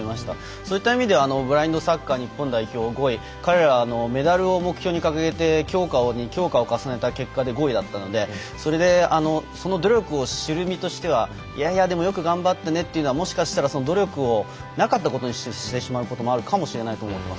そういった意味でブラインドサッカー日本代表５位彼らはメダルを目標に掲げて強化を重ねた結果で５位だったのでそれでその努力を知る身としてはいやいやでもよく頑張ったねというのはもしかしたら努力をなかったことにしてしまうこともあるかもしれないと思います。